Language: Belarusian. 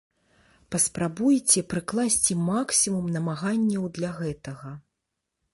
Паспрабуйце прыкласці максімум намаганняў для гэтага.